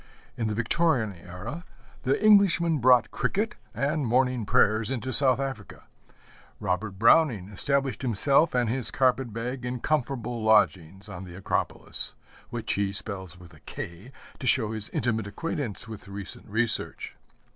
In the Victorian era the Englishman brought cricket and morning prayers into South Africa. Robert Browning established himself and his carpet bag in comfortable lodgings on the Acropolis which he spells with a K to show his intimate acquaintance with recent research.